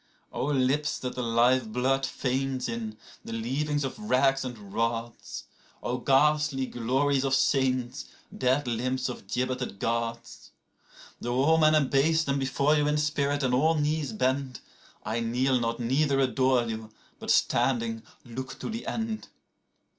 43O lips that the live blood faints in, the leavings of racks and rods!44O ghastly glories of saints, dead limbs of gibbeted Gods!45Though all men abase them before you in spirit, and all knees bend,46I kneel not neither adore you, but standing, look to the end.